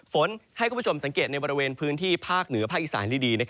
ฝนให้คุณผู้ชมสังเกตในบริเวณพื้นที่ภาคเหนือภาคอีสานดี